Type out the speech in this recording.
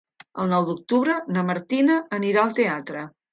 El nou d'octubre na Martina anirà al teatre.